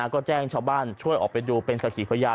ก็แจ้งชาวบ้านช่วยออกไปดูเป็นสักขีพยาน